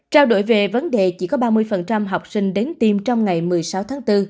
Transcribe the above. trao đổi về vấn đề chỉ có ba mươi học sinh đến tiêm trong ngày một mươi sáu tháng bốn